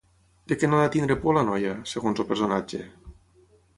De què no ha de tenir por la noia, segons el personatge?